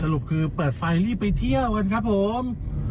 รุปคือเปิดไฟรีบไปเที่ยวกันครับผม